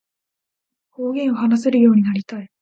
方言を話せるようになりたい